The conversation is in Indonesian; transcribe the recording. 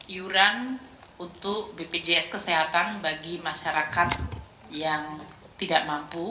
iuran untuk bpjs kesehatan bagi masyarakat yang tidak mampu